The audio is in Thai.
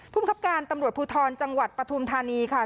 ภูมิคับการตำรวจภูทรจังหวัดปฐุมธานีค่ะ